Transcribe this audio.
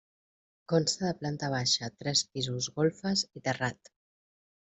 Consta de planta baixa, tres pisos, golfes i terrat.